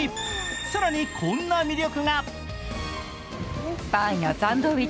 更に、こんな魅力が。